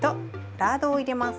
ラードを入れます。